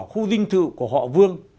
khu vinh thự của họ vương